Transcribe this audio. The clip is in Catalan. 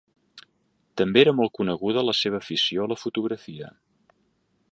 També era molt coneguda la seva afició a la fotografia.